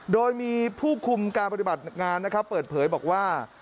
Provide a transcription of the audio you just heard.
โดยมีผู้คุมการปฏิบัติงานนะครับเปิดเผยบอกว่า